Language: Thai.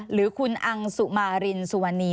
หรือคุณอังสุมารินสุวรรณี